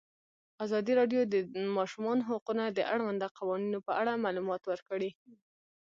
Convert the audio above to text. ازادي راډیو د د ماشومانو حقونه د اړونده قوانینو په اړه معلومات ورکړي.